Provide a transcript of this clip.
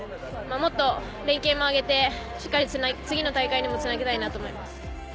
もっと連携も上げてしっかり次の大会にもつなげたいなと思います。